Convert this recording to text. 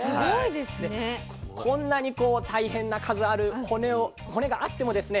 でこんなに大変な数ある骨があってもですね